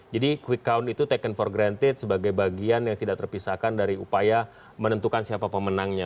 jadi quick count itu taken for granted sebagai bagian yang tidak terpisahkan dari upaya menentukan siapa pemenangnya